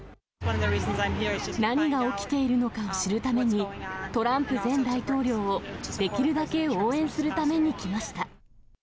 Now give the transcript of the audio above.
何が起きているのかを知るために、トランプ前大統領をできるだけ応援するために来ました。